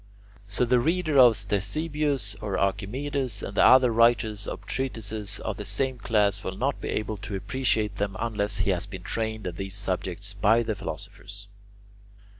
So the reader of Ctesibius or Archimedes and the other writers of treatises of the same class will not be able to appreciate them unless he has been trained in these subjects by the philosophers.